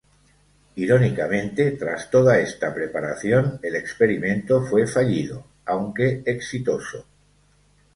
Irónicamente, tras toda esta preparación, el experimento fue fallido, aunque exitoso.